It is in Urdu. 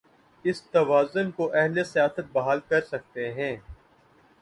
اس توازن کو اہل سیاست بحال کر سکتے ہیں۔